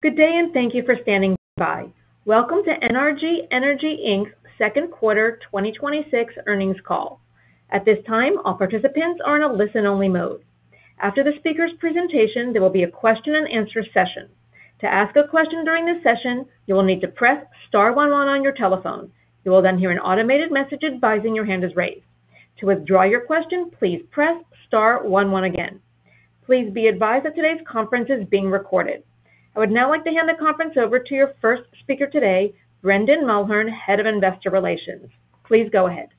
Good day. Thank you for standing by. Welcome to NRG Energy, Inc's Second Quarter 2026 Earnings Call. At this time, all participants are in a listen-only mode. After the speakers' presentation, there will be a question and answer session. To ask a question during this session, you will need to press star one one on your telephone. You will then hear an automated message advising your hand is raised. To withdraw your question, please press star one one again. Please be advised that today's conference is being recorded. I would now like to hand the conference over to your first speaker today, Brendan Mulhern, Head of Investor Relations. Please go ahead.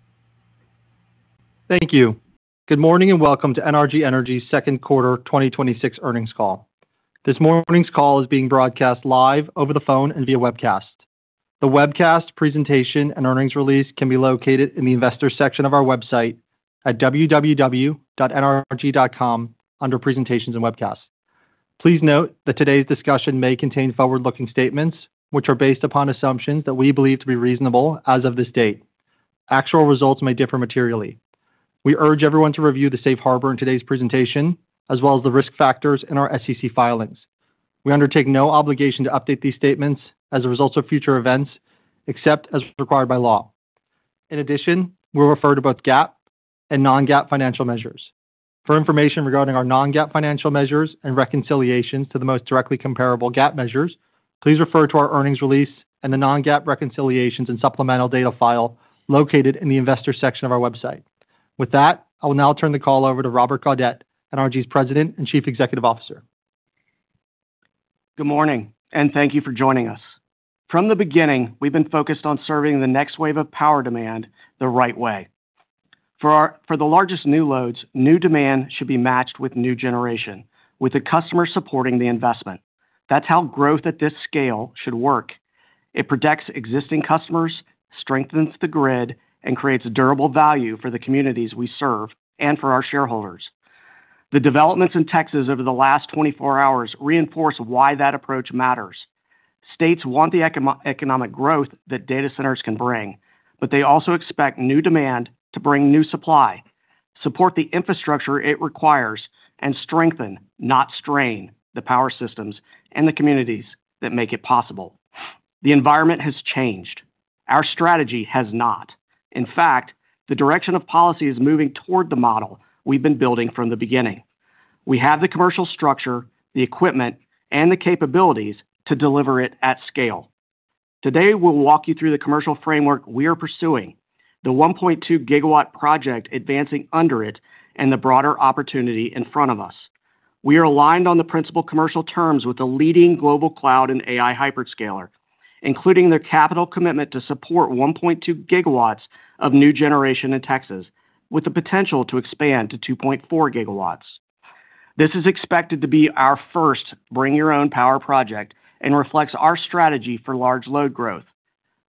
Thank you. Good morning. Welcome to NRG Energy's second quarter 2026 earnings call. This morning's call is being broadcast live over the phone and via webcast. The webcast presentation and earnings release can be located in the Investors section of our website at www.nrg.com under presentations and webcasts. Please note that today's discussion may contain forward-looking statements, which are based upon assumptions that we believe to be reasonable as of this date. Actual results may differ materially. We urge everyone to review the safe harbor in today's presentation, as well as the risk factors in our SEC filings. We undertake no obligation to update these statements as a result of future events, except as required by law. In addition, we'll refer to both GAAP and non-GAAP financial measures. For information regarding our non-GAAP financial measures and reconciliations to the most directly comparable GAAP measures, please refer to our earnings release and the non-GAAP reconciliations and supplemental data file located in the Investors section of our website. With that, I will now turn the call over to Robert Gaudette, NRG's President and Chief Executive Officer. Good morning. Thank you for joining us. From the beginning, we've been focused on serving the next wave of power demand the right way. For the largest new loads, new demand should be matched with new generation, with the customer supporting the investment. That's how growth at this scale should work. It protects existing customers, strengthens the grid, and creates durable value for the communities we serve and for our shareholders. The developments in Texas over the last 24 hours reinforce why that approach matters. States want the economic growth that data centers can bring, but they also expect new demand to bring new supply, support the infrastructure it requires, and strengthen, not strain, the power systems and the communities that make it possible. The environment has changed. Our strategy has not. In fact, the direction of policy is moving toward the model we've been building from the beginning. We have the commercial structure, the equipment, and the capabilities to deliver it at scale. Today, we'll walk you through the commercial framework we are pursuing, the 1.2 GW project advancing under it, and the broader opportunity in front of us. We are aligned on the principal commercial terms with a leading global cloud and AI hyperscaler, including their capital commitment to support 1.2 GW of new generation in Texas, with the potential to expand to 2.4 GW. This is expected to be our first bring your own power project and reflects our strategy for large load growth.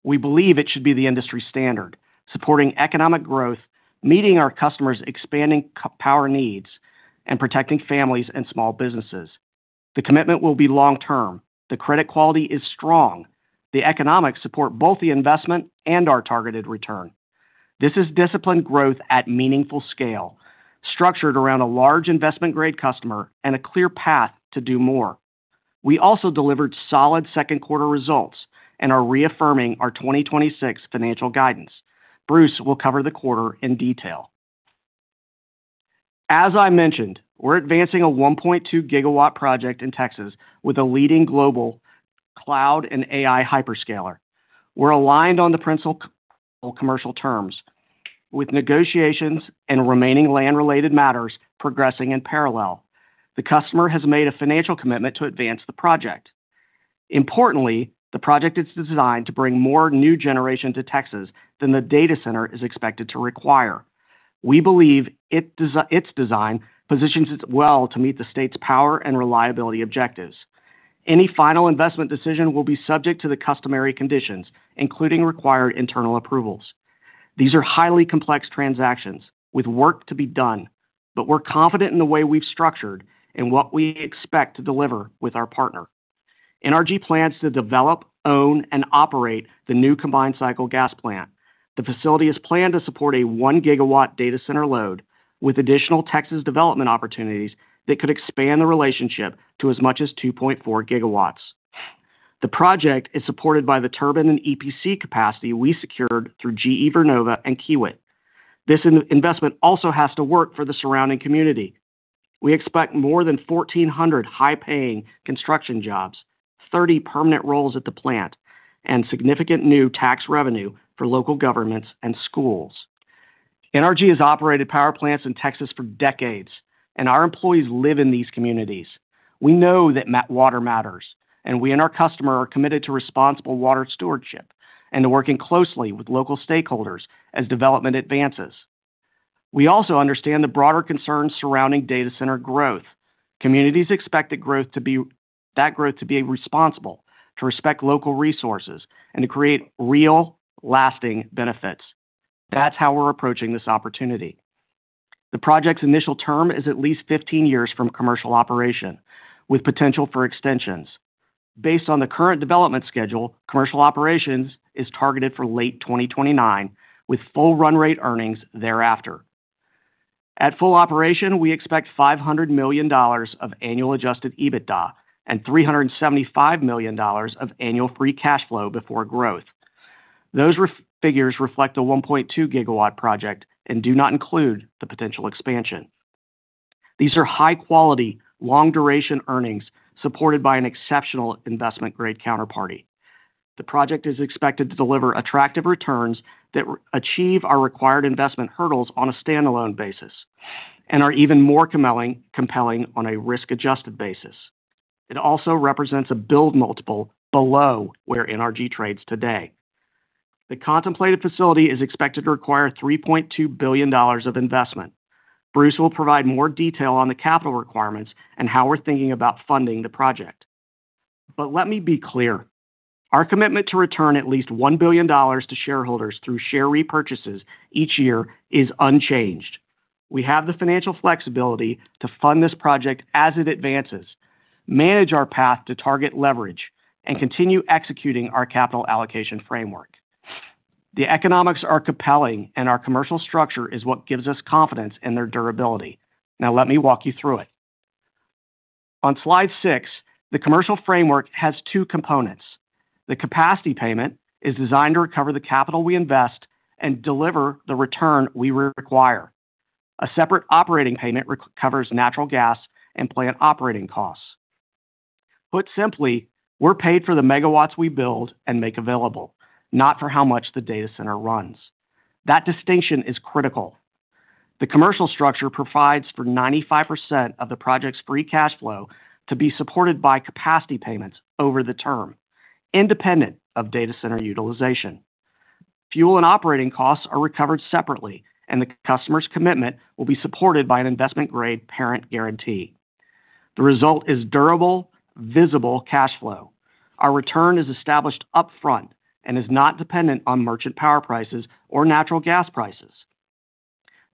We believe it should be the industry standard, supporting economic growth, meeting our customers' expanding power needs, and protecting families and small businesses. The commitment will be long-term. The credit quality is strong. The economics support both the investment and our targeted return. This is disciplined growth at meaningful scale, structured around a large investment-grade customer and a clear path to do more. We also delivered solid second quarter results and are reaffirming our 2026 financial guidance. Bruce will cover the quarter in detail. As I mentioned, we're advancing a 1.2 GW project in Texas with a leading global cloud and AI hyperscaler. We're aligned on the principal commercial terms. With negotiations and remaining land-related matters progressing in parallel, the customer has made a financial commitment to advance the project. Importantly, the project is designed to bring more new generation to Texas than the data center is expected to require. We believe its design positions it well to meet the state's power and reliability objectives. Any final investment decision will be subject to the customary conditions, including required internal approvals. These are highly complex transactions with work to be done, but we're confident in the way we've structured and what we expect to deliver with our partner. NRG plans to develop, own, and operate the new combined cycle gas plant. The facility is planned to support a 1 GW data center load with additional Texas development opportunities that could expand the relationship to as much as 2.4 GW. The project is supported by the turbine and EPC capacity we secured through GE Vernova and Kiewit. This investment also has to work for the surrounding community. We expect more than 1,400 high-paying construction jobs, 30 permanent roles at the plant, and significant new tax revenue for local governments and schools. NRG has operated power plants in Texas for decades, and our employees live in these communities. We know that water matters, and we and our customer are committed to responsible water stewardship and to working closely with local stakeholders as development advances. We also understand the broader concerns surrounding data center growth. Communities expect that growth to be responsible, to respect local resources, and to create real, lasting benefits. That's how we're approaching this opportunity. The project's initial term is at least 15 years from commercial operation, with potential for extensions. Based on the current development schedule, commercial operations is targeted for late 2029, with full run rate earnings thereafter. At full operation, we expect $500 million of annual adjusted EBITDA and $375 million of annual free cash flow before growth. Those figures reflect a 1.2 GW project and do not include the potential expansion. These are high-quality, long-duration earnings supported by an exceptional investment-grade counterparty. The project is expected to deliver attractive returns that achieve our required investment hurdles on a standalone basis and are even more compelling on a risk-adjusted basis. It also represents a build multiple below where NRG trades today. The contemplated facility is expected to require $3.2 billion of investment. Bruce will provide more detail on the capital requirements and how we're thinking about funding the project. Let me be clear. Our commitment to return at least $1 billion to shareholders through share repurchases each year is unchanged. We have the financial flexibility to fund this project as it advances, manage our path to target leverage, and continue executing our capital allocation framework. The economics are compelling, and our commercial structure is what gives us confidence in their durability. Let me walk you through it. On slide six, the commercial framework has two components. The capacity payment is designed to recover the capital we invest and deliver the return we require. A separate operating payment recovers natural gas and plant operating costs. Put simply, we're paid for the megawatts we build and make available, not for how much the data center runs. That distinction is critical. The commercial structure provides for 95% of the project's free cash flow to be supported by capacity payments over the term, independent of data center utilization. Fuel and operating costs are recovered separately, and the customer's commitment will be supported by an investment-grade parent guarantee. The result is durable, visible cash flow. Our return is established upfront and is not dependent on merchant power prices or natural gas prices.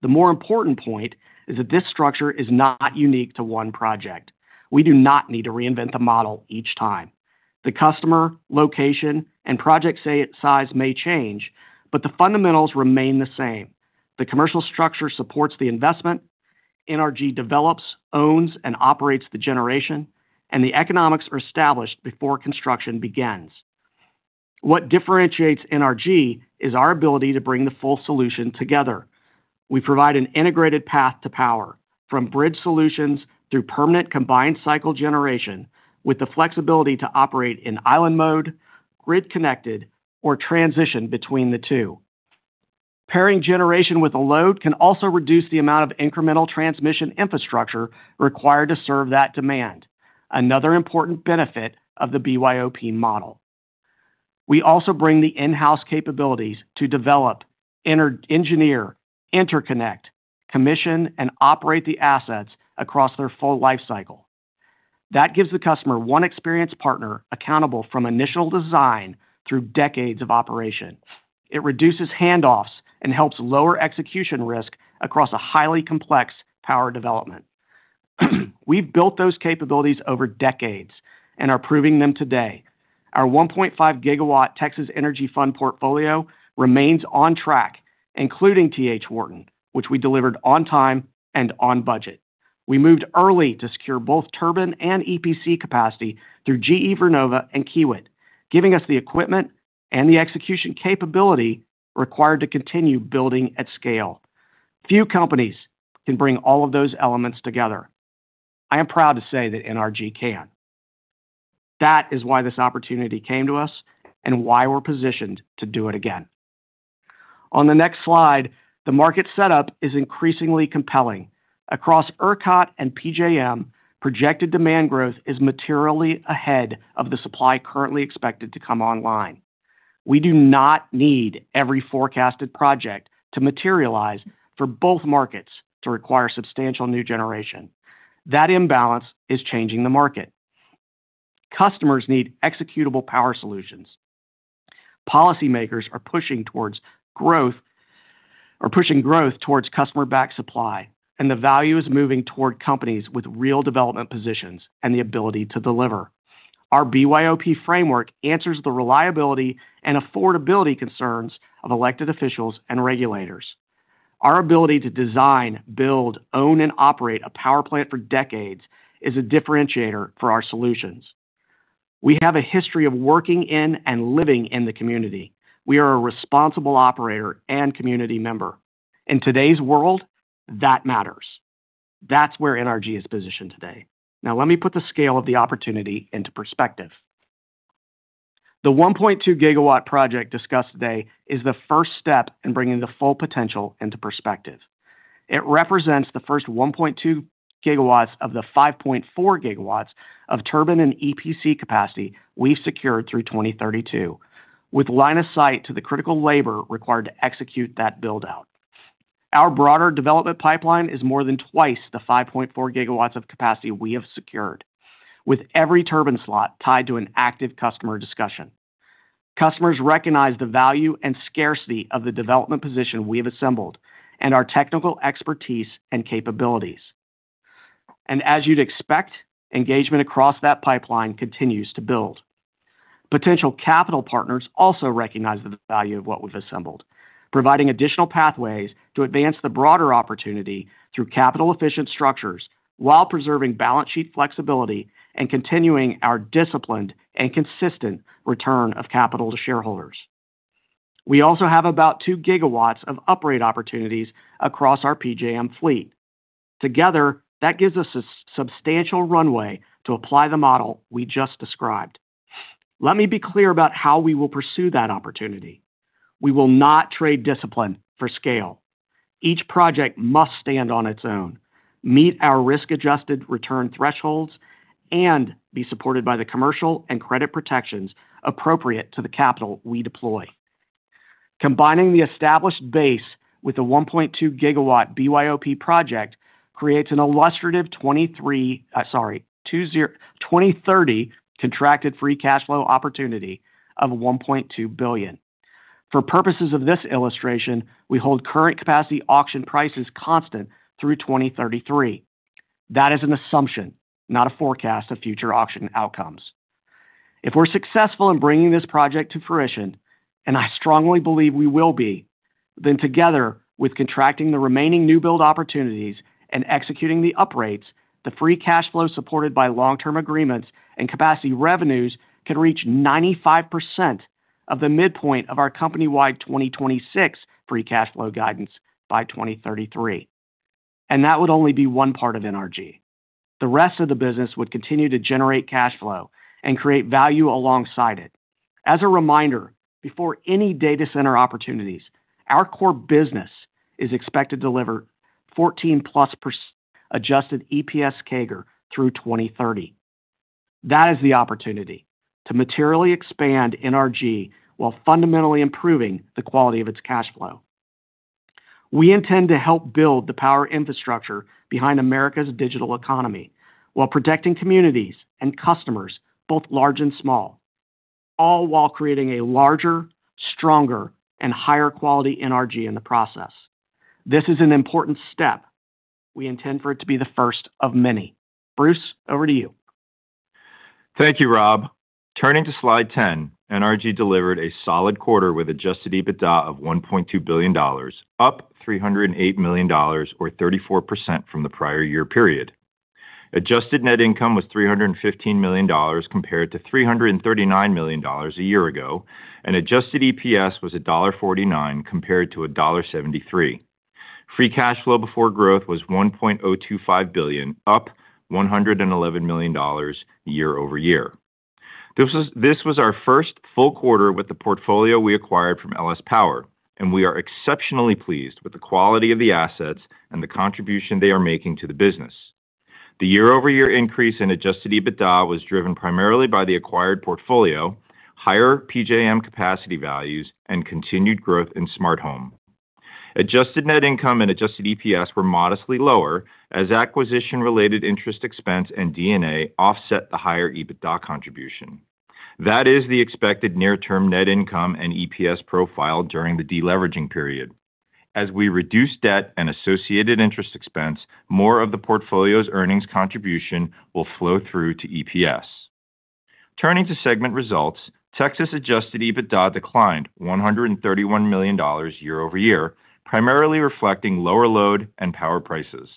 The more important point is that this structure is not unique to one project. We do not need to reinvent the model each time. The customer, location, and project size may change, but the fundamentals remain the same. The commercial structure supports the investment. NRG develops, owns, and operates the generation, and the economics are established before construction begins. What differentiates NRG is our ability to bring the full solution together. We provide an integrated path to power from bridge solutions through permanent combined cycle generation with the flexibility to operate in island mode, grid connected, or transition between the two. Pairing generation with a load can also reduce the amount of incremental transmission infrastructure required to serve that demand, another important benefit of the BYOP model. We also bring the in-house capabilities to develop, engineer, interconnect, commission, and operate the assets across their full life cycle. That gives the customer one experienced partner accountable from initial design through decades of operation. It reduces handoffs and helps lower execution risk across a highly complex power development. We've built those capabilities over decades and are proving them today. Our 1.5 GW Texas Energy Fund portfolio remains on track, including T.H. Wharton, which we delivered on time and on budget. We moved early to secure both turbine and EPC capacity through GE Vernova and Kiewit, giving us the equipment and the execution capability required to continue building at scale. Few companies can bring all of those elements together. I am proud to say that NRG can. That is why this opportunity came to us and why we're positioned to do it again. On the next slide, the market setup is increasingly compelling. Across ERCOT and PJM, projected demand growth is materially ahead of the supply currently expected to come online. We do not need every forecasted project to materialize for both markets to require substantial new generation. That imbalance is changing the market. Customers need executable power solutions. Policy makers are pushing growth towards customer-backed supply, and the value is moving toward companies with real development positions and the ability to deliver. Our BYOP framework answers the reliability and affordability concerns of elected officials and regulators. Our ability to design, build, own, and operate a power plant for decades is a differentiator for our solutions. We have a history of working in and living in the community. We are a responsible operator and community member. In today's world, that matters. That's where NRG is positioned today. Let me put the scale of the opportunity into perspective. The 1.2 GW project discussed today is the first step in bringing the full potential into perspective. It represents the first 1.2 GW of the 5.4 GW of turbine and EPC capacity we've secured through 2032, with line of sight to the critical labor required to execute that build-out. Our broader development pipeline is more than twice the 5.4 GW of capacity we have secured, with every turbine slot tied to an active customer discussion. Customers recognize the value and scarcity of the development position we have assembled and our technical expertise and capabilities. As you'd expect, engagement across that pipeline continues to build. Potential capital partners also recognize the value of what we've assembled, providing additional pathways to advance the broader opportunity through capital-efficient structures while preserving balance sheet flexibility and continuing our disciplined and consistent return of capital to shareholders. We also have about 2 GW of operate opportunities across our PJM fleet. Together, that gives us a substantial runway to apply the model we just described. Let me be clear about how we will pursue that opportunity. We will not trade discipline for scale. Each project must stand on its own, meet our risk-adjusted return thresholds, and be supported by the commercial and credit protections appropriate to the capital we deploy. Combining the established base with a 1.2 GW BYOP project creates an illustrative 2030 contracted free cash flow opportunity of $1.2 billion. For purposes of this illustration, we hold current capacity auction prices constant through 2033. That is an assumption, not a forecast of future auction outcomes. If we're successful in bringing this project to fruition, and I strongly believe we will be, then together with contracting the remaining new build opportunities and executing the upgrades, the free cash flow supported by long-term agreements and capacity revenues can reach 95% of the midpoint of our company-wide 2026 free cash flow guidance by 2033. That would only be one part of NRG. The rest of the business would continue to generate cash flow and create value alongside it. As a reminder, before any data center opportunities, our core business is expected to deliver 14%+ adjusted EPS CAGR through 2030. That is the opportunity to materially expand NRG while fundamentally improving the quality of its cash flow. We intend to help build the power infrastructure behind America's digital economy while protecting communities and customers, both large and small, all while creating a larger, stronger, and higher quality NRG in the process. This is an important step. We intend for it to be the first of many. Bruce, over to you. Thank you, Rob. Turning to slide 10, NRG delivered a solid quarter with adjusted EBITDA of $1.2 billion, up $308 million or 34% from the prior year period. Adjusted net income was $315 million compared to $339 million a year ago, and adjusted EPS was $1.49 compared to $1.73. Free cash flow before growth was $1.025 billion, up $111 million year-over-year. This was our first full quarter with the portfolio we acquired from LS Power, and we are exceptionally pleased with the quality of the assets and the contribution they are making to the business. The year-over-year increase in adjusted EBITDA was driven primarily by the acquired portfolio, higher PJM capacity values, and continued growth in Smart Home. Adjusted net income and adjusted EPS were modestly lower as acquisition-related interest expense and D&A offset the higher EBITDA contribution. That is the expected near-term net income and EPS profile during the deleveraging period. As we reduce debt and associated interest expense, more of the portfolio's earnings contribution will flow through to EPS. Turning to segment results, Texas adjusted EBITDA declined $131 million year-over-year, primarily reflecting lower load and power prices.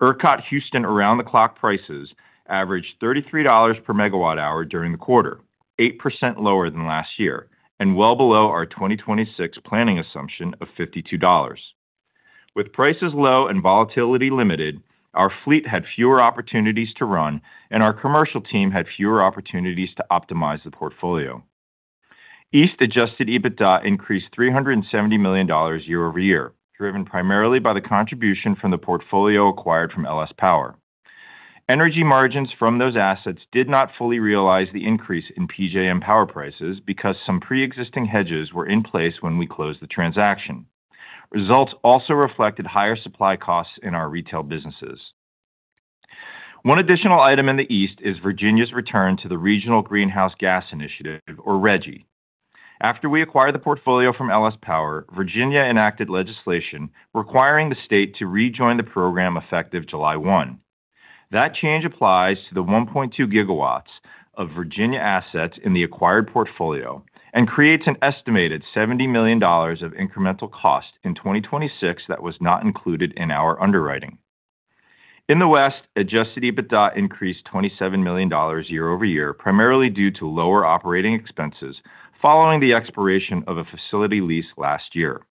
ERCOT Houston around-the-clock prices averaged $33/MWh during the quarter, 8% lower than last year, and well below our 2026 planning assumption of $52. With prices low and volatility limited, our fleet had fewer opportunities to run, and our commercial team had fewer opportunities to optimize the portfolio. East adjusted EBITDA increased $370 million year-over-year, driven primarily by the contribution from the portfolio acquired from LS Power. Energy margins from those assets did not fully realize the increase in PJM power prices because some preexisting hedges were in place when we closed the transaction. Results also reflected higher supply costs in our retail businesses. One additional item in the East is Virginia's return to the Regional Greenhouse Gas Initiative or RGGI. After we acquired the portfolio from LS Power, Virginia enacted legislation requiring the state to rejoin the program effective July 1. That change applies to the 1.2 GW of Virginia assets in the acquired portfolio and creates an estimated $70 million of incremental cost in 2026 that was not included in our underwriting. In the West, adjusted EBITDA increased $27 million year-over-year, primarily due to lower operating expenses following the expiration of a facility lease last year.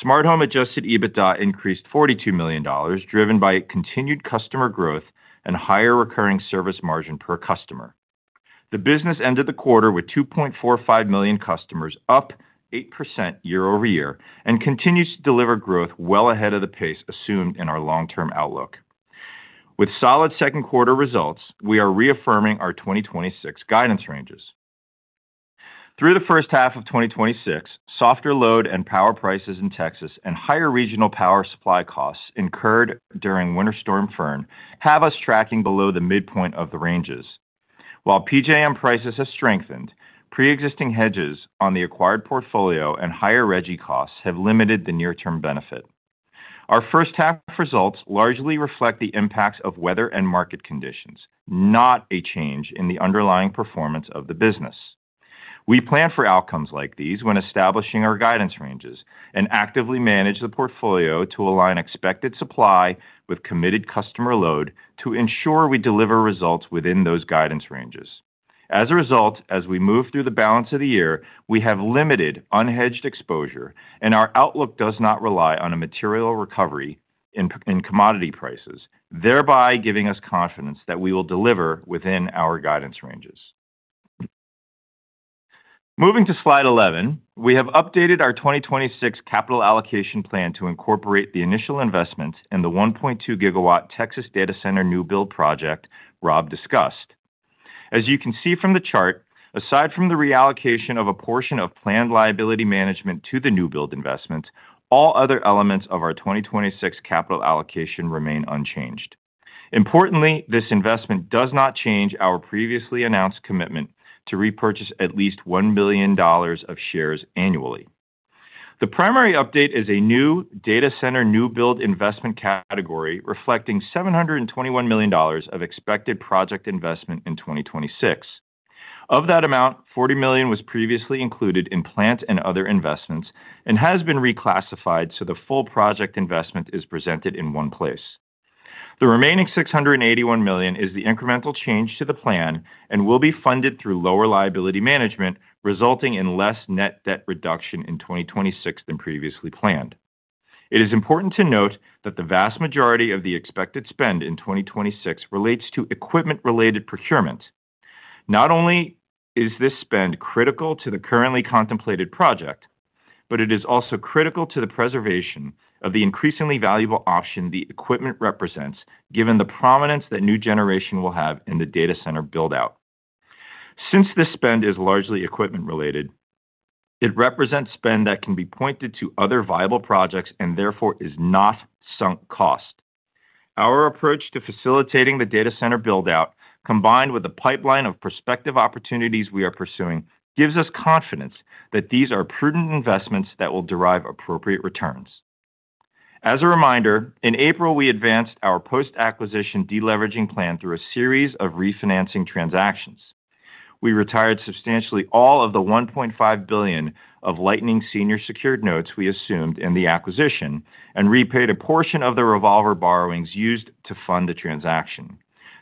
Smart Home adjusted EBITDA increased $42 million, driven by continued customer growth and higher recurring service margin per customer. The business ended the quarter with 2.45 million customers, up 8% year-over-year, and continues to deliver growth well ahead of the pace assumed in our long-term outlook. With solid second quarter results, we are reaffirming our 2026 guidance ranges. Through the first half of 2026, softer load and power prices in Texas and higher regional power supply costs incurred during Winter Storm Fern have us tracking below the midpoint of the ranges. While PJM prices have strengthened, preexisting hedges on the acquired portfolio and higher RGGI costs have limited the near-term benefit. Our first half results largely reflect the impacts of weather and market conditions, not a change in the underlying performance of the business. We plan for outcomes like these when establishing our guidance ranges and actively manage the portfolio to align expected supply with committed customer load to ensure we deliver results within those guidance ranges. As a result, as we move through the balance of the year, we have limited unhedged exposure, and our outlook does not rely on a material recovery in commodity prices, thereby giving us confidence that we will deliver within our guidance ranges. Moving to slide 11, we have updated our 2026 capital allocation plan to incorporate the initial investment in the 1.2 GW Texas data center new build project Rob discussed. As you can see from the chart, aside from the reallocation of a portion of planned liability management to the new build investment, all other elements of our 2026 capital allocation remain unchanged. Importantly, this investment does not change our previously announced commitment to repurchase at least $1 billion of shares annually. The primary update is a new data center new build investment category reflecting $721 million of expected project investment in 2026. Of that amount, $40 million was previously included in plant and other investments and has been reclassified, so the full project investment is presented in one place. The remaining $681 million is the incremental change to the plan and will be funded through lower liability management, resulting in less net debt reduction in 2026 than previously planned. It is important to note that the vast majority of the expected spend in 2026 relates to equipment-related procurement. Not only is this spend critical to the currently contemplated project, but it is also critical to the preservation of the increasingly valuable option the equipment represents given the prominence that new generation will have in the data center build-out. Since this spend is largely equipment-related, it represents spend that can be pointed to other viable projects and therefore is not sunk cost. Our approach to facilitating the data center build-out, combined with the pipeline of prospective opportunities we are pursuing, gives us confidence that these are prudent investments that will derive appropriate returns. As a reminder, in April, we advanced our post-acquisition deleveraging plan through a series of refinancing transactions. We retired substantially all of the $1.5 billion of Lightning senior secured notes we assumed in the acquisition and repaid a portion of the revolver borrowings used to fund the transaction.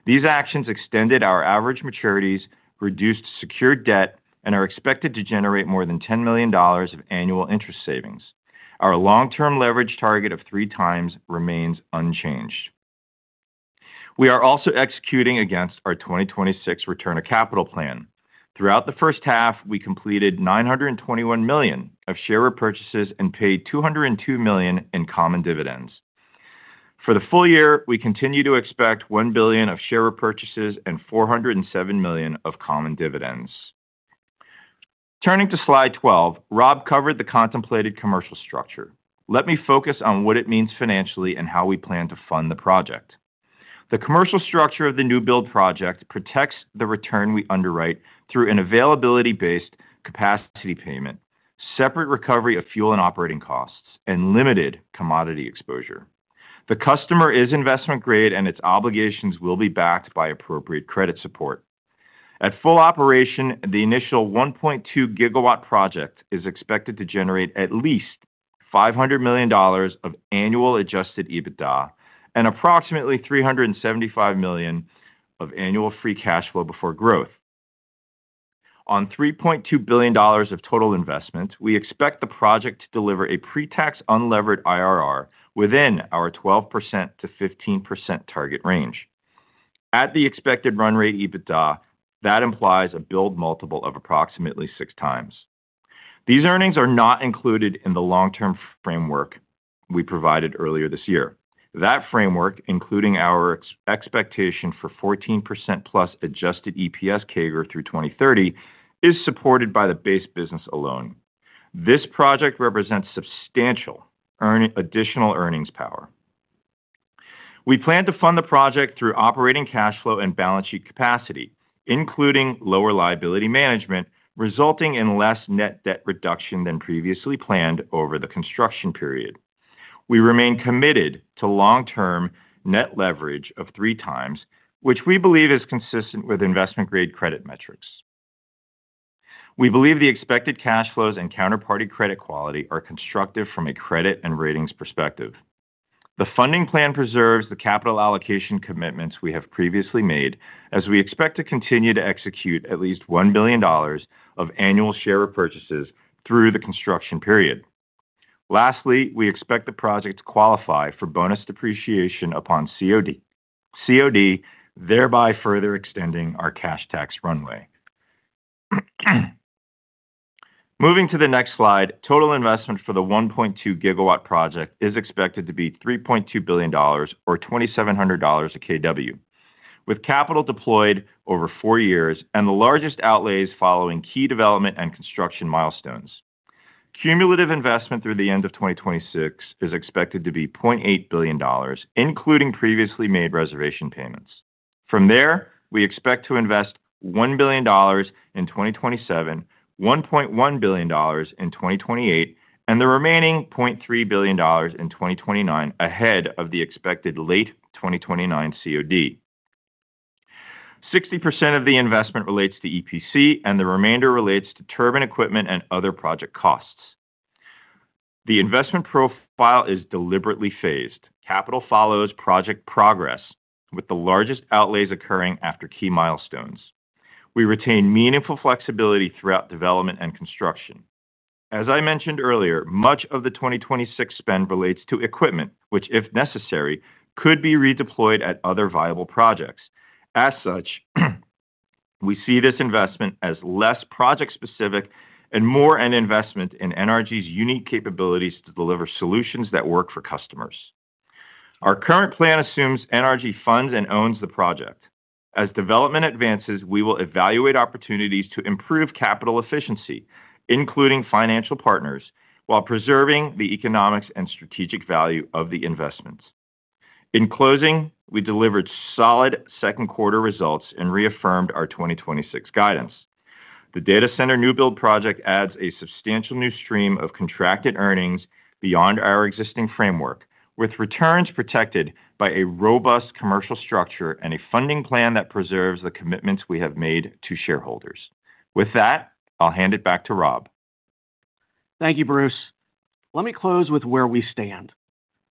These actions extended our average maturities, reduced secured debt, and are expected to generate more than $10 million of annual interest savings. Our long-term leverage target of 3x remains unchanged. We are also executing against our 2026 return of capital plan. Throughout the first half, we completed $921 million of share repurchases and paid $202 million in common dividends. For the full year, we continue to expect $1 billion of share repurchases and $407 million of common dividends. Turning to slide 12, Rob covered the contemplated commercial structure. Let me focus on what it means financially and how we plan to fund the project. The commercial structure of the new build project protects the return we underwrite through an availability-based capacity payment, separate recovery of fuel and operating costs, and limited commodity exposure. The customer is investment-grade, and its obligations will be backed by appropriate credit support. At full operation, the initial 1.2 GW project is expected to generate at least $500 million of annual adjusted EBITDA and approximately $375 million of annual free cash flow before growth. On $3.2 billion of total investment, we expect the project to deliver a pre-tax unlevered IRR within our 12%-15% target range. At the expected run rate EBITDA, that implies a build multiple of approximately 6x. These earnings are not included in the long-term framework we provided earlier this year. That framework, including our expectation for 14%+ adjusted EPS CAGR through 2030, is supported by the base business alone. This project represents substantial additional earnings power. We plan to fund the project through operating cash flow and balance sheet capacity, including lower liability management, resulting in less net debt reduction than previously planned over the construction period. We remain committed to long-term net leverage of 3x, which we believe is consistent with investment-grade credit metrics. We believe the expected cash flows and counterparty credit quality are constructive from a credit and ratings perspective. The funding plan preserves the capital allocation commitments we have previously made as we expect to continue to execute at least $1 billion of annual share repurchases through the construction period. Lastly, we expect the project to qualify for bonus depreciation upon COD, thereby further extending our cash tax runway. Moving to the next slide, total investment for the 1.2 GW project is expected to be $3.2 billion, or $2,700 a kW. With capital deployed over four years and the largest outlays following key development and construction milestones. Cumulative investment through the end of 2026 is expected to be $0.8 billion, including previously made reservation payments. From there, we expect to invest $1 billion in 2027, $1.1 billion in 2028, and the remaining $0.3 billion in 2029, ahead of the expected late 2029 COD. 60% of the investment relates to EPC, and the remainder relates to turbine equipment and other project costs. The investment profile is deliberately phased. Capital follows project progress, with the largest outlays occurring after key milestones. We retain meaningful flexibility throughout development and construction. As I mentioned earlier, much of the 2026 spend relates to equipment, which, if necessary, could be redeployed at other viable projects. As such, we see this investment as less project-specific and more an investment in NRG's unique capabilities to deliver solutions that work for customers. Our current plan assumes NRG funds and owns the project. As development advances, we will evaluate opportunities to improve capital efficiency, including financial partners, while preserving the economics and strategic value of the investments. In closing, we delivered solid second quarter results and reaffirmed our 2026 guidance. The data center new build project adds a substantial new stream of contracted earnings beyond our existing framework, with returns protected by a robust commercial structure and a funding plan that preserves the commitments we have made to shareholders. With that, I'll hand it back to Rob. Thank you, Bruce. Let me close with where we stand.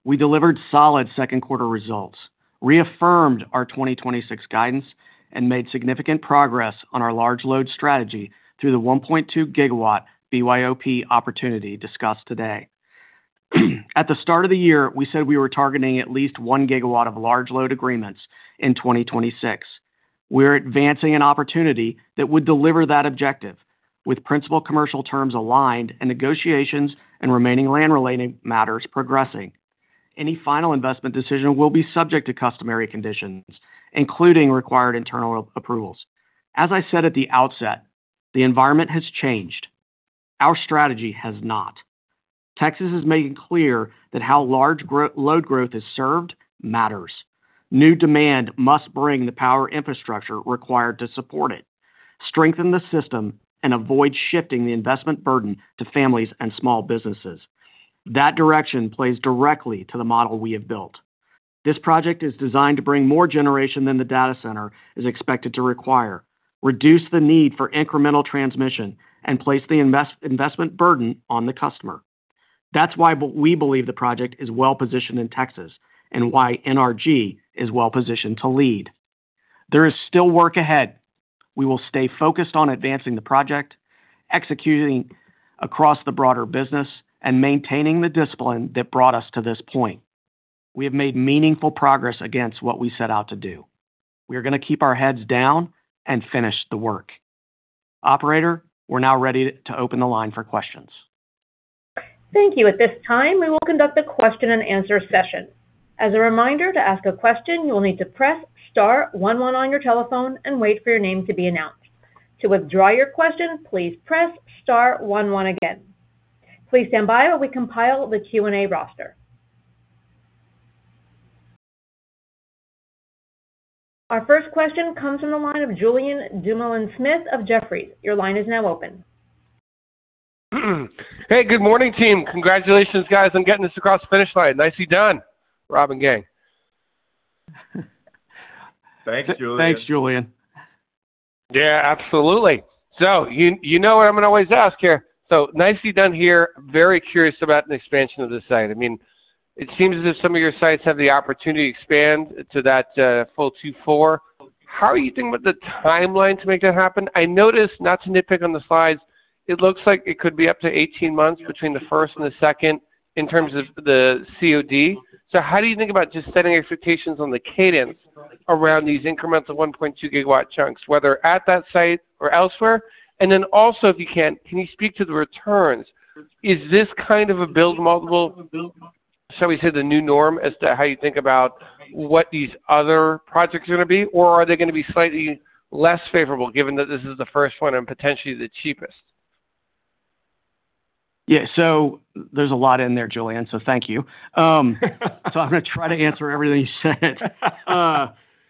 We delivered solid second quarter results, reaffirmed our 2026 guidance, and made significant progress on our large load strategy through the 1.2 GW BYOP opportunity discussed today. At the start of the year, we said we were targeting at least 1 GW of large load agreements in 2026. We're advancing an opportunity that would deliver that objective with principal commercial terms aligned and negotiations and remaining land-related matters progressing. Any final investment decision will be subject to customary conditions, including required internal approvals. As I said at the outset, the environment has changed. Our strategy has not. Texas has made it clear that how large load growth is served matters. New demand must bring the power infrastructure required to support it, strengthen the system, and avoid shifting the investment burden to families and small businesses. That direction plays directly to the model we have built. This project is designed to bring more generation than the data center is expected to require, reduce the need for incremental transmission, and place the investment burden on the customer. That's why we believe the project is well-positioned in Texas and why NRG is well-positioned to lead. There is still work ahead. We will stay focused on advancing the project, executing across the broader business, and maintaining the discipline that brought us to this point. We have made meaningful progress against what we set out to do. We are going to keep our heads down and finish the work. Operator, we're now ready to open the line for questions. Thank you. At this time, we will conduct a question and answer session. As a reminder, to ask a question, you will need to press star one one on your telephone and wait for your name to be announced. To withdraw your question, please press star one one again. Please stand by while we compile the Q&A roster. Our first question comes from the line of Julien Dumoulin-Smith of Jefferies. Your line is now open. Hey, good morning, team. Congratulations, guys, on getting this across the finish line. Nicely done, Rob and gang. Thanks, Julien. Thanks, Julien. Yeah, absolutely. You know what I'm going to always ask here. Nicely done here. Very curious about an expansion of this site. It seems as if some of your sites have the opportunity to expand to that full two four. How are you doing with the timeline to make that happen? I noticed, not to nitpick on the slides, it looks like it could be up to 18 months between the first and the second in terms of the COD. How do you think about just setting expectations on the cadence around these incremental 1.2 GW chunks, whether at that site or elsewhere? Also, if you can you speak to the returns? Is this kind of a build model, shall we say, the new norm as to how you think about what these other projects are going to be? Are they going to be slightly less favorable given that this is the first one and potentially the cheapest? Yeah. There's a lot in there, Julien, thank you. I'm going to try to answer everything you said.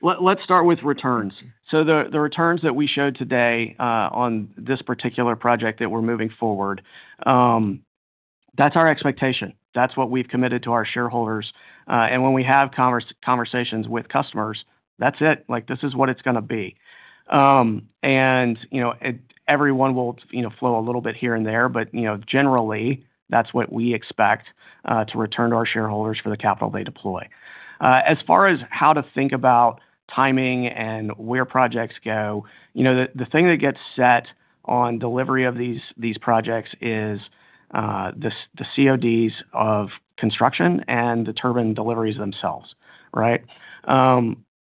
Let start with returns. The returns that we showed today on this particular project that we're moving forward, that's our expectation. That's what we've committed to our shareholders. When we have conversations with customers, that's it. This is what it's going to be. Everyone will flow a little bit here and there, but generally, that's what we expect to return to our shareholders for the capital they deploy. As far as how to think about timing and where projects go, the thing that gets set on delivery of these projects is the CODs of construction and the turbine deliveries themselves, right?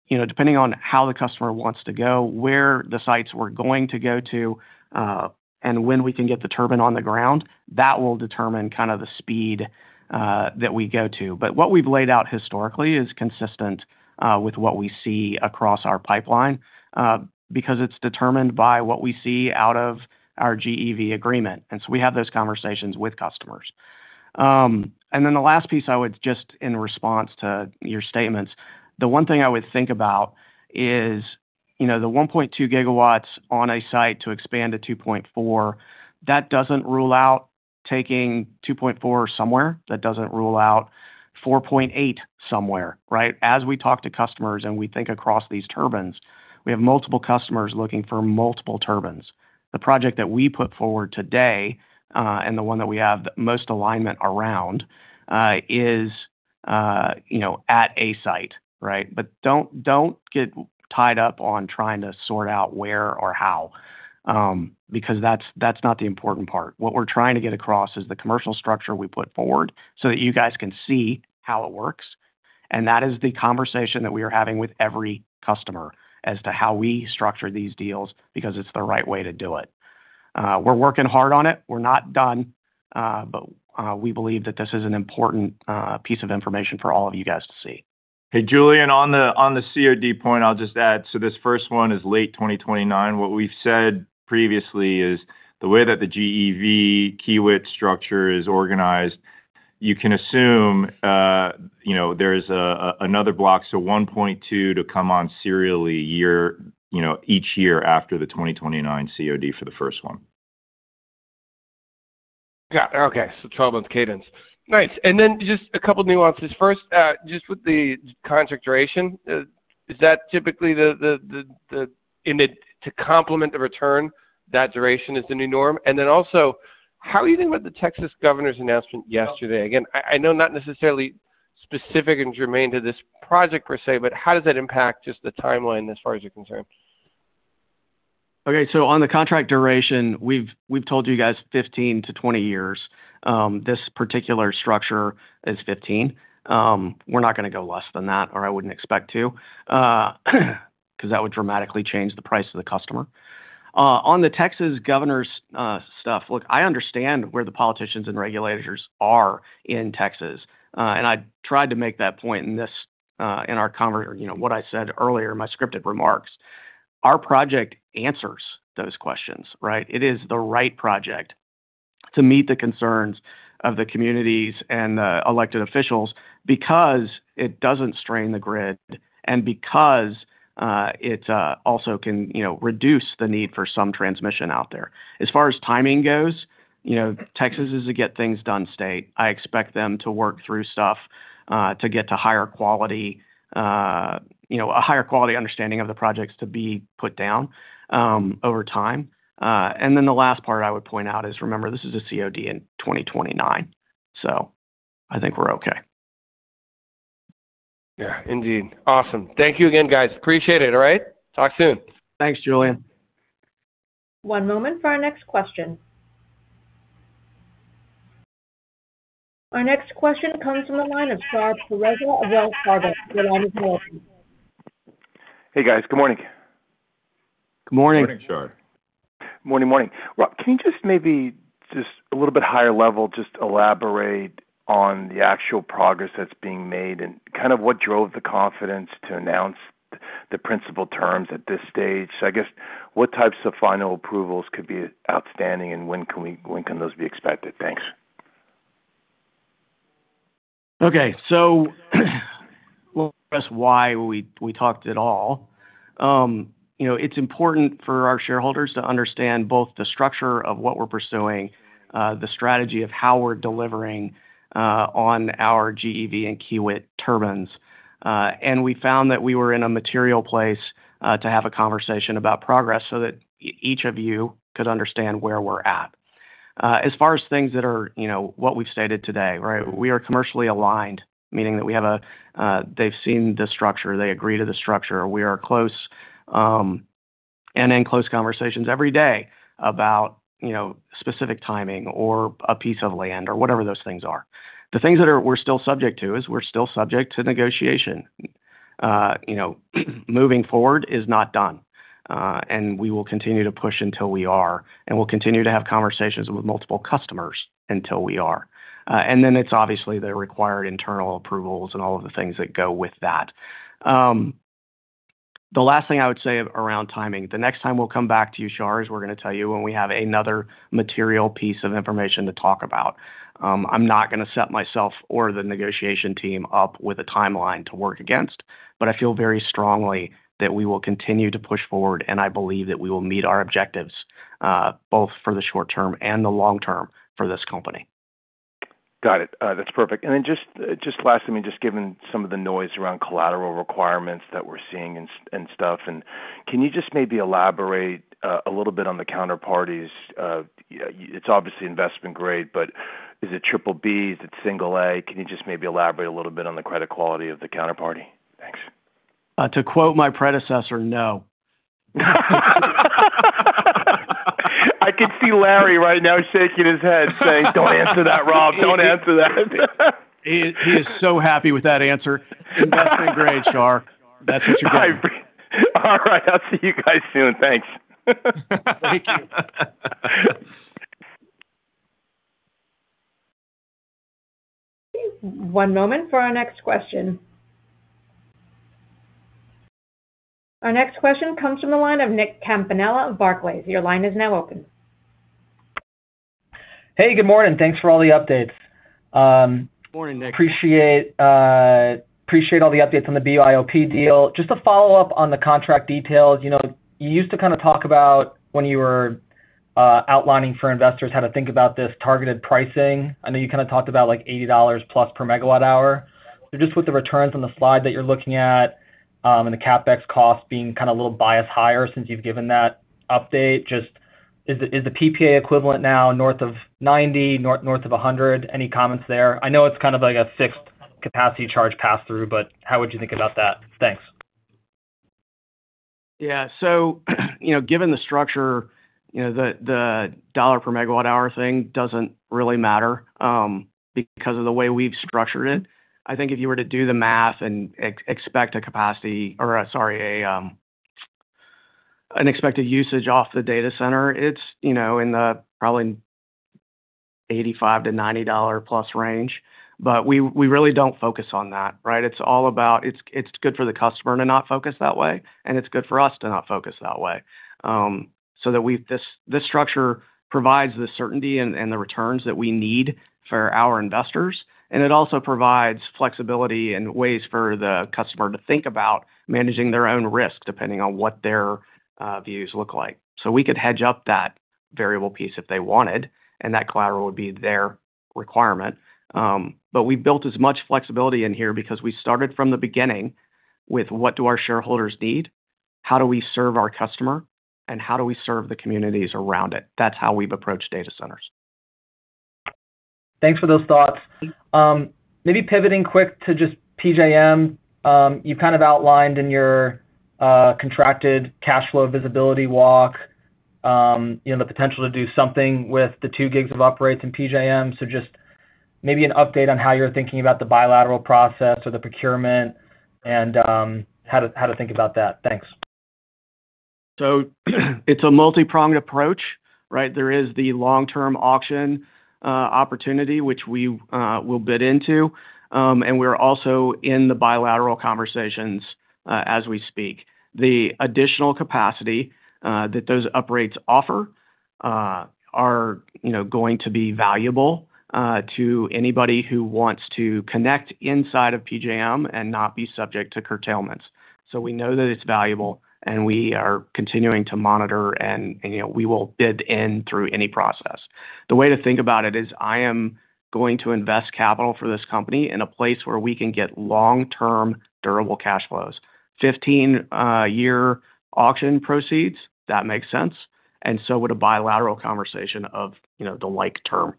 Depending on how the customer wants to go, where the sites we're going to go to, and when we can get the turbine on the ground, that will determine the speed that we go to. What we've laid out historically is consistent with what we see across our pipeline, because it's determined by what we see out of our GEV agreement. We have those conversations with customers. Then the last piece I would, just in response to your statements, the one thing I would think about is, the 1.2 GW on a site to expand to 2.4, that doesn't rule out taking 2.4 somewhere. That doesn't rule out 4.8 somewhere, right? As we talk to customers and we think across these turbines, we have multiple customers looking for multiple turbines. The project that we put forward today, the one that we have the most alignment around, is at a site, right? Don't get tied up on trying to sort out where or how, because that's not the important part. What we're trying to get across is the commercial structure we put forward, so that you guys can see how it works. That is the conversation that we are having with every customer as to how we structure these deals, because it's the right way to do it. We're working hard on it. We're not done. We believe that this is an important piece of information for all of you guys to see. Julien, on the COD point, I'll just add. This first one is late 2029. What we've said previously is the way that the GEV, Kiewit structure is organized, you can assume there's another block, 1.2 GW to come on serially each year after the 2029 COD for the first one. Got it. Okay. 12 months cadence. Nice. Just a couple nuances. First, just with the contract duration, is that typically to complement the return, that duration is the new norm? Also, how are you doing with the Texas governor's announcement yesterday? Again, I know not necessarily specific and germane to this project per se, but how does that impact just the timeline as far as you're concerned? Okay. On the contract duration, we've told you guys 15-20 years. This particular structure is 15. We're not going to go less than that, or I wouldn't expect to, because that would dramatically change the price of the customer. On the Texas governor's stuff, look, I understand where the politicians and regulators are in Texas. I tried to make that point in what I said earlier in my scripted remarks. Our project answers those questions, right? It is the right project to meet the concerns of the communities and the elected officials because it doesn't strain the grid and because it also can reduce the need for some transmission out there. As far as timing goes, Texas is a get-things-done state. I expect them to work through stuff, to get to a higher quality understanding of the projects to be put down over time. The last part I would point out is, remember, this is a COD in 2029. I think we're okay. Yeah, indeed. Awesome. Thank you again, guys. Appreciate it, all right? Talk soon. Thanks, Julien. One moment for our next question. Our next question comes from the line of Shar Pourreza of Wells Fargo. Your line is open. Hey, guys. Good morning. Good morning. Morning, Shar. Morning. Rob, can you just maybe, just a little bit higher level, just elaborate on the actual progress that's being made and kind of what drove the confidence to announce the principal terms at this stage? I guess, what types of final approvals could be outstanding, and when can those be expected? Thanks. Okay. We'll address why we talked at all. It's important for our shareholders to understand both the structure of what we're pursuing, the strategy of how we're delivering on our GEV and Kiewit turbines. We found that we were in a material place to have a conversation about progress so that each of you could understand where we're at. As far as things that are what we've stated today, right? We are commercially aligned, meaning that they've seen the structure, they agree to the structure. We are close and in close conversations every day about specific timing or a piece of land or whatever those things are. The things that we're still subject to is we're still subject to negotiation. Moving forward is not done. We will continue to push until we are, and we'll continue to have conversations with multiple customers until we are. It's obviously the required internal approvals and all of the things that go with that. The last thing I would say around timing, the next time we'll come back to you, Shar, is we're going to tell you when we have another material piece of information to talk about. I'm not going to set myself or the negotiation team up with a timeline to work against. I feel very strongly that we will continue to push forward, and I believe that we will meet our objectives, both for the short term and the long term for this company. Got it. That's perfect. Just lastly, just given some of the noise around collateral requirements that we're seeing and stuff, can you just maybe elaborate a little bit on the counterparties? It's obviously investment grade, but is it BBB? Is it A? Can you just maybe elaborate a little bit on the credit quality of the counterparty? Thanks. To quote my predecessor, no. I can see Larry right now shaking his head saying, "Don't answer that, Rob. Don't answer that. He is so happy with that answer. Invest in Investment grade, Shar. That's what you're doing. All right, I'll see you guys soon. Thanks. Thank you. One moment for our next question. Our next question comes from the line of Nick Campanella of Barclays. Your line is now open. Hey, good morning. Thanks for all the updates. Morning, Nick. Appreciate all the updates on the BYOP deal. Just to follow up on the contract details. You used to talk about when you were outlining for investors how to think about this targeted pricing. I know you talked about +$80/MWh. Just with the returns on the slide that you're looking at, and the CapEx cost being a little biased higher since you've given that update, just is the PPA equivalent now north of $90, north of $100? Any comments there? I know it's kind of like a fixed capacity charge pass through. How would you think about that? Thanks. Given the structure, the dollar per megawatt hour thing doesn't really matter, because of the way we've structured it. I think if you were to do the math and expect an expected usage off the data center, it's in the probably $85-$90+ range. We really don't focus on that, right? It's all about, it's good for the customer to not focus that way, and it's good for us to not focus that way. That this structure provides the certainty and the returns that we need for our investors, and it also provides flexibility and ways for the customer to think about managing their own risks depending on what their views look like. We could hedge up that variable piece if they wanted, and that collateral would be their requirement. We built as much flexibility in here because we started from the beginning with what do our shareholders need, how do we serve our customer, and how do we serve the communities around it? That's how we've approached data centers. Thanks for those thoughts. Maybe pivoting quick to just PJM. You've kind of outlined in your contracted cash flow visibility walk, the potential to do something with the 2 GW of uprates in PJM. Just maybe an update on how you're thinking about the bilateral process or the procurement and how to think about that. Thanks. It's a multi-pronged approach, right? There is the long-term auction opportunity, which we will bid into. We're also in the bilateral conversations as we speak. The additional capacity that those uprates offer are going to be valuable to anybody who wants to connect inside of PJM and not be subject to curtailments. We know that it's valuable, and we are continuing to monitor, and we will bid in through any process. The way to think about it is, I am going to invest capital for this company in a place where we can get long-term durable cash flows. 15-year auction proceeds, that makes sense, so would a bilateral conversation of the like term.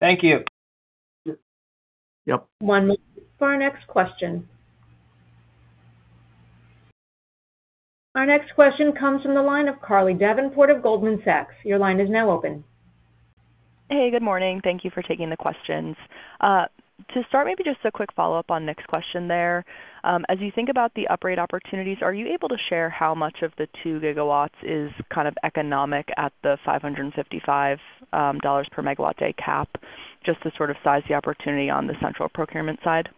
Thank you. Yep. One moment for our next question. Our next question comes from the line of Carly Davenport of Goldman Sachs. Your line is now open. Hey, good morning. Thank you for taking the questions. To start, maybe just a quick follow-up on Nick's question there. As you think about the uprate opportunities, are you able to share how much of the 2 GW is kind of economic at the $555/MW day cap, just to sort of size the opportunity on the central procurement side?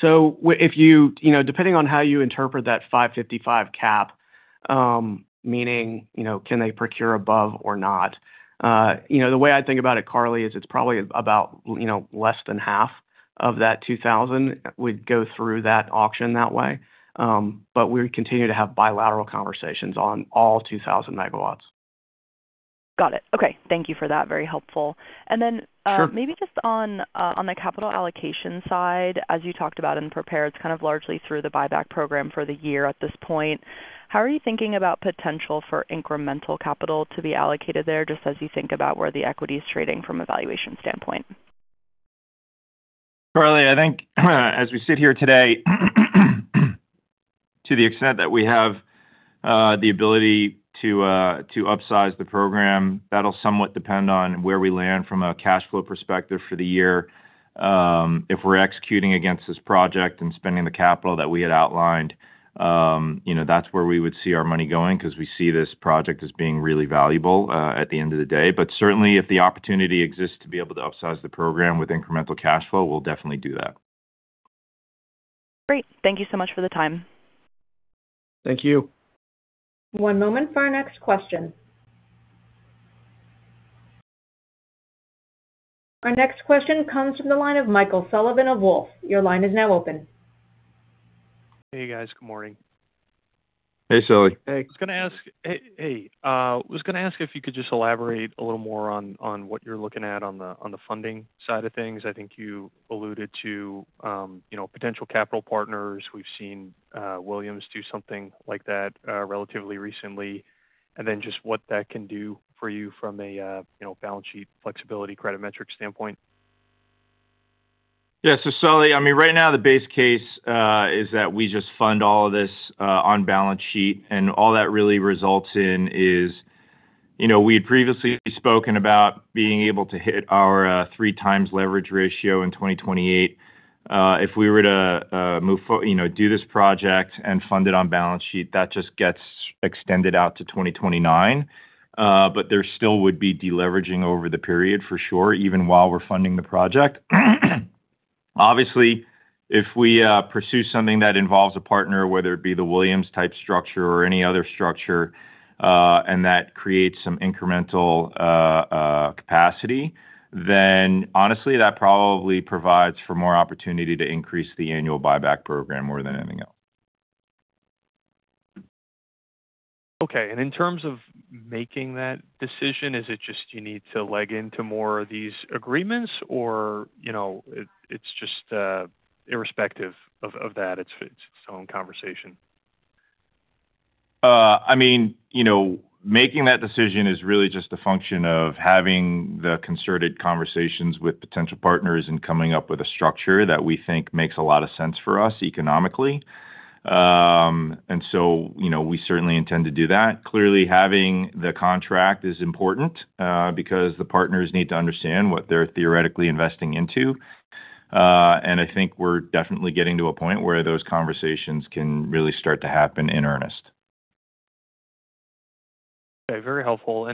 Depending on how you interpret that $555 cap, meaning, can they procure above or not? The way I think about it, Carly, is it's probably about less than half of that 2,000 would go through that auction that way. We continue to have bilateral conversations on all 2,000 MW. Got it. Okay. Thank you for that. Very helpful. Sure. Maybe just on the capital allocation side, as you talked about in prepared, it's kind of largely through the buyback program for the year at this point. How are you thinking about potential for incremental capital to be allocated there, just as you think about where the equity is trading from a valuation standpoint? Carly, I think as we sit here today, to the extent that we have the ability to upsize the program, that'll somewhat depend on where we land from a cash flow perspective for the year. If we're executing against this project and spending the capital that we had outlined, that's where we would see our money going, because we see this project as being really valuable at the end of the day. Certainly, if the opportunity exists to be able to upsize the program with incremental cash flow, we'll definitely do that. Great. Thank you so much for the time. Thank you. One moment for our next question. Our next question comes from the line of Michael Sullivan of Wolfe. Your line is now open. Hey, guys. Good morning. Hey, Sullivan. Hey. I was going to ask if you could just elaborate a little more on what you're looking at on the funding side of things. I think you alluded to potential capital partners. We've seen Williams do something like that relatively recently, and then just what that can do for you from a balance sheet flexibility credit metric standpoint. Yeah. Sullivan, right now the base case is that we just fund all of this on balance sheet, and all that really results in is, we had previously spoken about being able to hit our 3x leverage ratio in 2028. If we were to do this project and fund it on balance sheet, that just gets extended out to 2029. There still would be deleveraging over the period for sure, even while we're funding the project. Obviously, if we pursue something that involves a partner, whether it be the Williams type structure or any other structure, that creates some incremental capacity, honestly, that probably provides for more opportunity to increase the annual buyback program more than anything else. Okay, in terms of making that decision, is it just you need to leg into more of these agreements? It's just irrespective of that, it's its own conversation? Making that decision is really just a function of having the concerted conversations with potential partners and coming up with a structure that we think makes a lot of sense for us economically. We certainly intend to do that. Clearly, having the contract is important because the partners need to understand what they're theoretically investing into. I think we're definitely getting to a point where those conversations can really start to happen in earnest. Okay. Very helpful.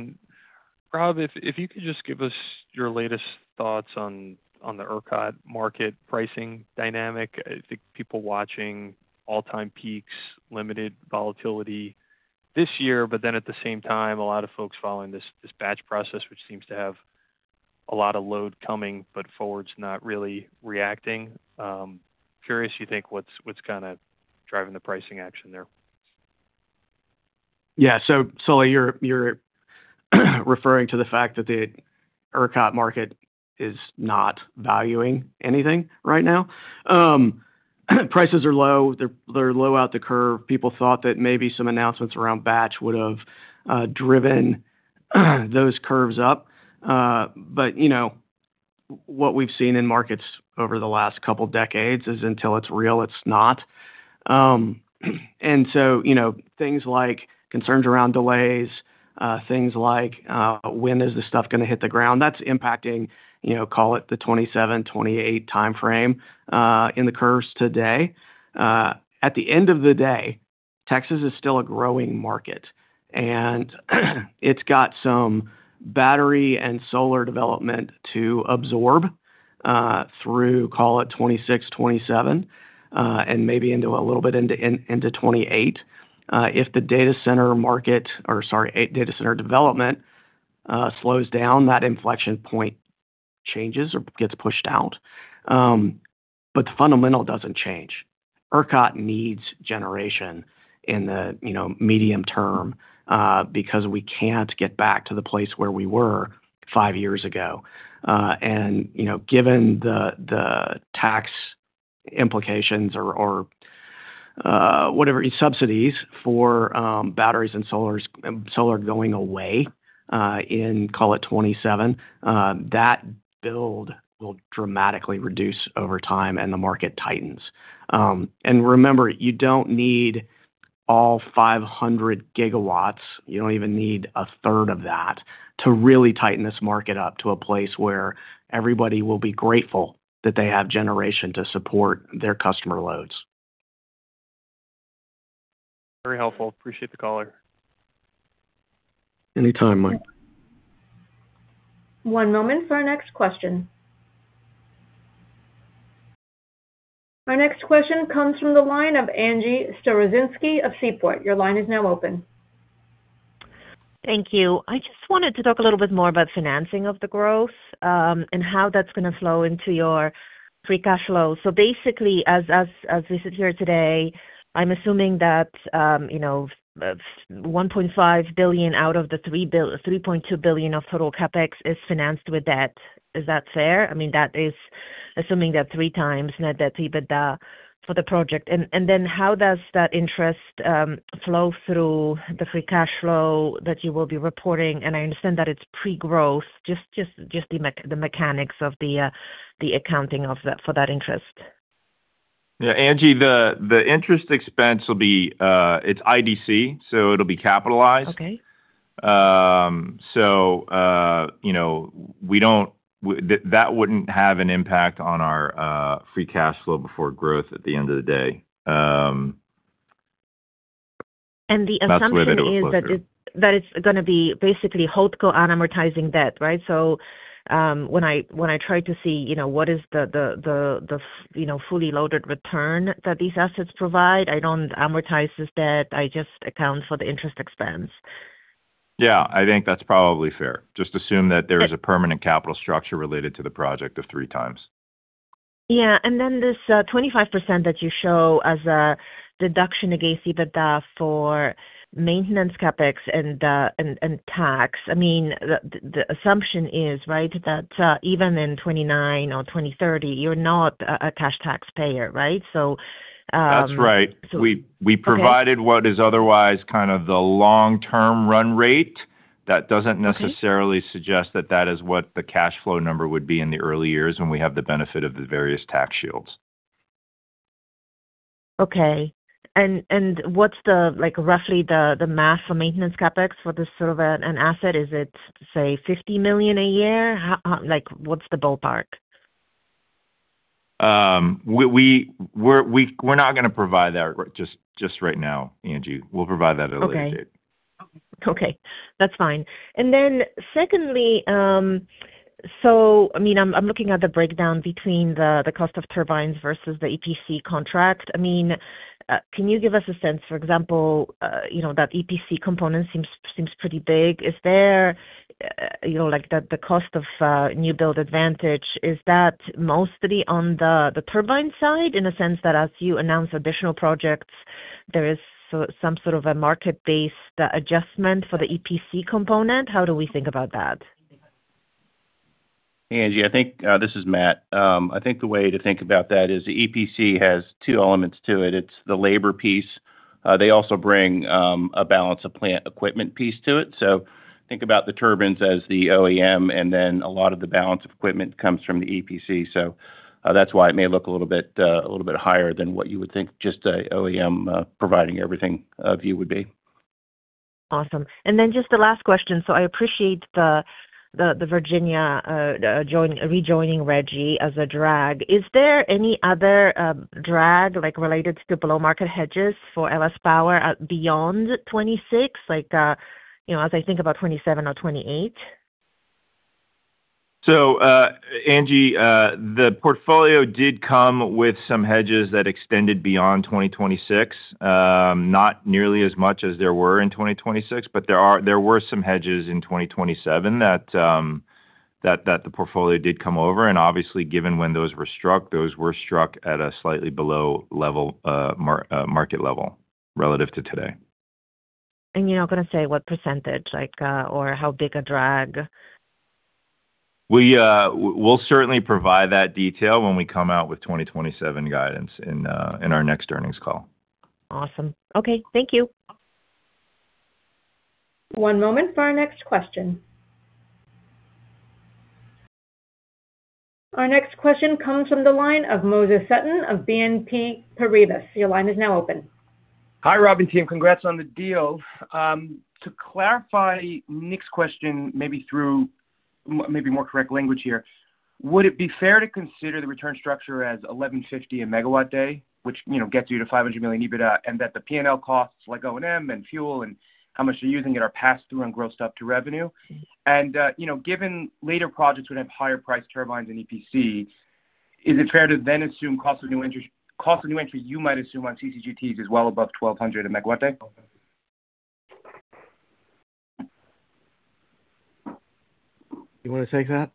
Rob, if you could just give us your latest thoughts on the ERCOT market pricing dynamic. I think people watching all-time peaks, limited volatility this year. At the same time, a lot of folks following this batch process, which seems to have a lot of load coming, but forward's not really reacting. Curious, you think what's kind of driving the pricing action there? Yeah. Sullivan, you're referring to the fact that the ERCOT market is not valuing anything right now? Prices are low. They're low out the curve. People thought that maybe some announcements around batch would have driven those curves up. What we've seen in markets over the last couple of decades is until it's real, it's not. Things like concerns around delays, things like when is this stuff going to hit the ground? That's impacting call it the 2027, 2028 timeframe, in the curves today. At the end of the day, Texas is still a growing market, and it's got some battery and solar development to absorb, through call it 2026, 2027, and maybe into a little bit into 2028. If the data center development slows down, that inflection point changes or gets pushed out. The fundamental doesn't change. ERCOT needs generation in the medium term, because we can't get back to the place where we were five years ago. Given the tax implications or subsidies for batteries and solar going away in call it 2027, that build will dramatically reduce over time and the market tightens. Remember, you don't need all 500 GW. You don't even need a third of that to really tighten this market up to a place where everybody will be grateful that they have generation to support their customer loads. Very helpful. Appreciate the color. Anytime, Mike. One moment for our next question. Our next question comes from the line of Angie Storozynski of Seaport. Your line is now open. Thank you. I just wanted to talk a little bit more about financing of the growth, and how that's going to flow into your free cash flow. Basically, as we sit here today, I'm assuming that $1.5 billion out of the $3.2 billion of total CapEx is financed with debt. Is that fair? That is assuming that 3x net debt EBITDA for the project. And then how does that interest flow through the free cash flow that you will be reporting? And I understand that it's pre-growth, just the mechanics of the accounting for that interest. Angie, the interest expense will be IDC, so it'll be capitalized. Okay. That wouldn't have an impact on our free cash flow before growth at the end of the day. The assumption is that it's going to be basically hold co unamortizing debt, right? When I try to see what is the fully loaded return that these assets provide, I don't amortize this debt, I just account for the interest expense. Yeah, I think that's probably fair. Just assume that there is a permanent capital structure related to the project of 3x. Yeah. Then this 25% that you show as a deduction against EBITDA for maintenance CapEx and tax, the assumption is, right, that even in 2029 or 2030, you're not a cash taxpayer, right? That's right. Okay. We provided what is otherwise kind of the long-term run rate. That doesn't necessarily suggest that that is what the cash flow number would be in the early years when we have the benefit of the various tax shields. Okay. What's roughly the math for maintenance CapEx for this sort of an asset? Is it, say, $50 million a year? What's the ballpark? We're not going to provide that just right now, Angie. We'll provide that at a later date. Okay. That's fine. Secondly, I'm looking at the breakdown between the cost of turbines versus the EPC contract. Can you give us a sense, for example, that EPC component seems pretty big? The cost of new build advantage, is that mostly on the turbine side in a sense that as you announce additional projects, there is some sort of a market-based adjustment for the EPC component? How do we think about that? Angie, this is Matt. I think the way to think about that is the EPC has two elements to it. It's the labor piece. They also bring a balance of plant equipment piece to it. Think about the turbines as the OEM, a lot of the balance of equipment comes from the EPC. That's why it may look a little bit higher than what you would think just a OEM providing everything view would be. Awesome. Just the last question. I appreciate the Virginia rejoining RGGI as a drag. Is there any other drag, like related to below-market hedges for LS Power beyond 2026, as I think about 2027 or 2028? Angie, the portfolio did come with some hedges that extended beyond 2026. Not nearly as much as there were in 2026, but there were some hedges in 2027 that the portfolio did come over, and obviously, given when those were struck, those were struck at a slightly below market level relative to today. You're not going to say what percentage or how big a drag? We'll certainly provide that detail when we come out with 2027 guidance in our next earnings call. Awesome. Okay. Thank you. One moment for our next question. Our next question comes from the line of Moses Sutton of BNP Paribas. Your line is now open. Hi, Rob and team. Congrats on the deal. To clarify Nick's question, maybe through more correct language here, would it be fair to consider the return structure as $1,150 a megawatt day, which gets you to $500 million EBITDA, and that the P&L costs like O&M and fuel and how much you're using it are passed through and grossed up to revenue? Given later projects would have higher priced turbines than EPC, is it fair to assume cost of new entries you might assume on CCGTs is well above $1,200 a megawatt day? You want to take that?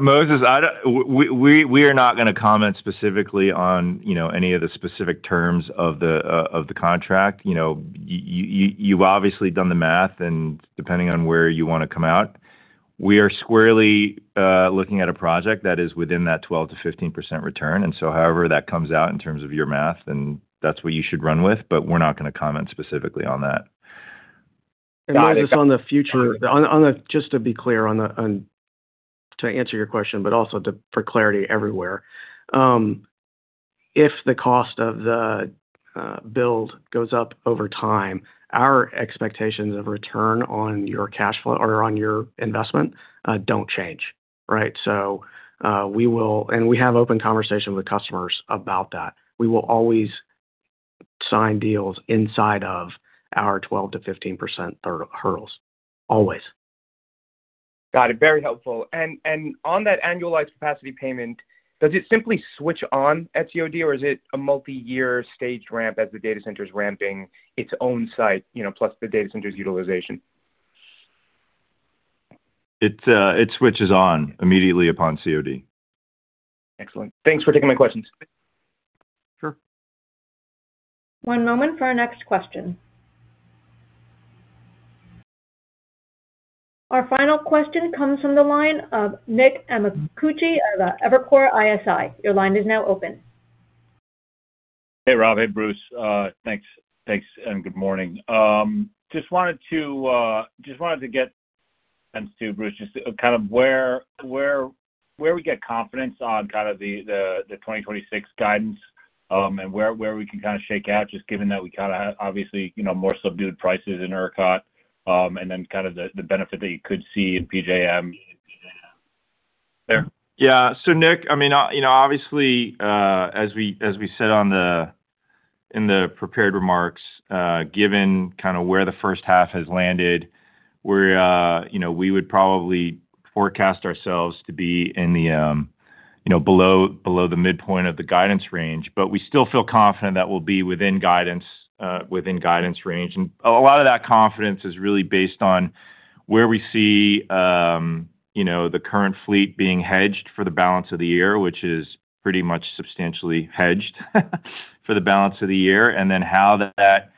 Moses, we are not going to comment specifically on any of the specific terms of the contract. You've obviously done the math, and depending on where you want to come out. We are squarely looking at a project that is within that 12%-15% return, however that comes out in terms of your math, that's what you should run with, we're not going to comment specifically on that. Moses, just to be clear, to answer your question, also for clarity everywhere. If the cost of the build goes up over time, our expectations of return on your cash flow or on your investment don't change. Right? We have open conversation with customers about that. We will always sign deals inside of our 12%-15% hurdles. Always. Got it. Very helpful. On that annualized capacity payment, does it simply switch on at COD, or is it a multi-year staged ramp as the data center's ramping its own site plus the data center's utilization? It switches on immediately upon COD. Excellent. Thanks for taking my questions. Sure. One moment for our next question. Our final question comes from the line of Nick Amicucci out of Evercore ISI. Your line is now open. Hey, Rob. Hey, Bruce. Thanks. Good morning. Just wanted to get a sense too, Bruce, just kind of where we get confidence on the 2026 guidance, and where we can kind of shake out, just given that we kind of obviously more subdued prices in ERCOT, and then kind of the benefit that you could see in PJM there. Yeah, Nick, obviously, as we said in the prepared remarks, given where the first half has landed, we would probably forecast ourselves to be below the midpoint of the guidance range. We still feel confident that we'll be within guidance range. A lot of that confidence is really based on where we see the current fleet being hedged for the balance of the year, which is pretty much substantially hedged for the balance of the year, and then how that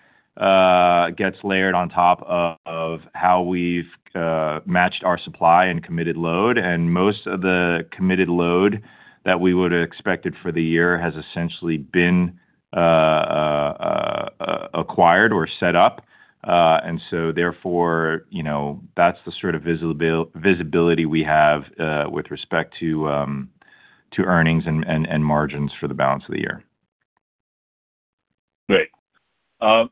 gets layered on top of how we've matched our supply and committed load. Most of the committed load that we would've expected for the year has essentially been acquired or set up. Therefore, that's the sort of visibility we have with respect to earnings and margins for the balance of the year. Great. Just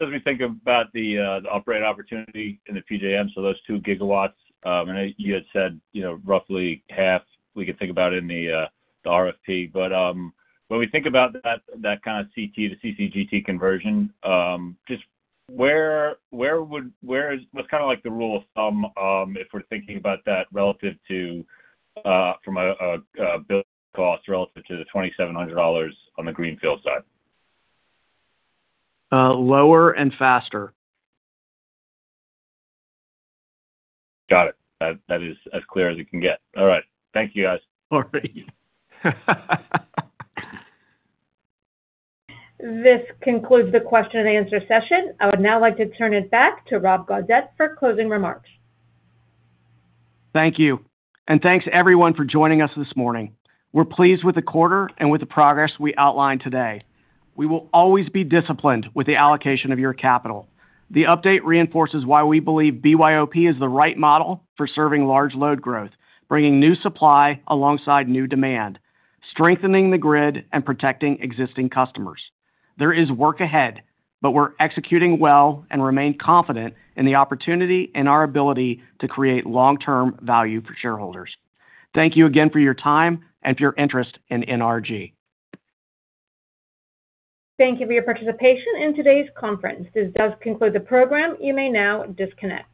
as we think about the operating opportunity in the PJM, those 2 GW, I know you had said roughly half we could think about in the RFP. When we think about that kind of CT to CCGT conversion, what's kind of like the rule of thumb if we're thinking about that from a build cost relative to the $2,700 on the greenfield side? Lower and faster. Got it. That is as clear as it can get. All right. Thank you, guys. All right. This concludes the question and answer session. I would now like to turn it back to Rob Gaudette for closing remarks. Thank you. Thanks, everyone, for joining us this morning. We're pleased with the quarter and with the progress we outlined today. We will always be disciplined with the allocation of your capital. The update reinforces why we believe BYOP is the right model for serving large load growth, bringing new supply alongside new demand, strengthening the grid, and protecting existing customers. There is work ahead. We're executing well and remain confident in the opportunity and our ability to create long-term value for shareholders. Thank you again for your time and for your interest in NRG. Thank you for your participation in today's conference. This does conclude the program. You may now disconnect.